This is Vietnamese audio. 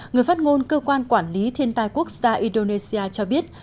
người phát ngôn cơ quan quản lý thiên tai quốc gia indonesia cho biết